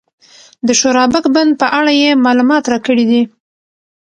د شورابک بند په اړه یې معلومات راکړي دي.